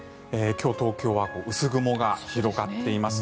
今日、東京は薄雲が広がっています。